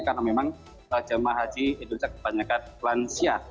karena memang jemaah haji indonesia kebanyakan lanjia